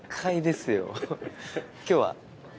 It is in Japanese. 今日は？